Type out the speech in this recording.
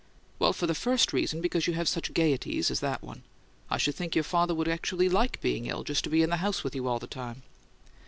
"Well, for the first reason, because you have such gaieties as that one. I should think your father would actually like being ill, just to be in the house with you all the time."